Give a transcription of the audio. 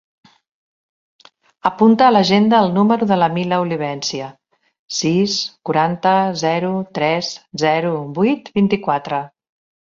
Apunta a l'agenda el número de la Mila Olivencia: sis, quaranta, zero, tres, zero, vuit, vint-i-quatre.